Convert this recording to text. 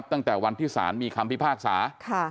ตั้งแต่วันที่สารมีคำพิพากษา